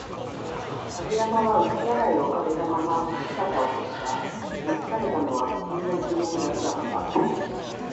影山は薄笑いを浮かべたまま姿を消した。残されたのは、不気味な沈黙だけだった。